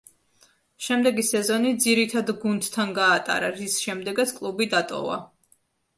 შემდეგი სეზონი ძირითად გუნდთან გაატარა, რის შემდეგაც კლუბი დატოვა.